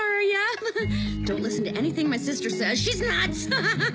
アハハハ。